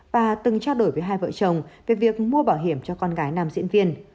bà từng trao đổi với hai vợ chồng về việc mua bảo hiểm cho con gái nam diễn viên